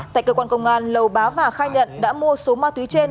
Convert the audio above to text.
tại cơ quan công an lầu bá và khai nhận đã mua số ma túy trên